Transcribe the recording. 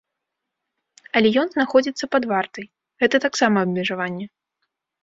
Але ён знаходзіцца пад вартай, гэта таксама абмежаванне.